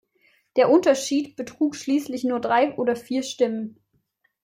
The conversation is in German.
Der Unterschied betrug schließlich nur drei oder vier Stimmen.